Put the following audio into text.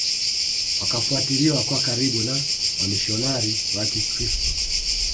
Wakafuatiliwa kwa karibu na wamishionari wa kikristo